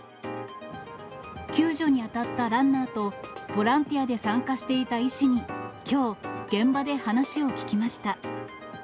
救助に当たったランナーと、ボランティアで参加していた医師に、きょう、現場で話を聞きました。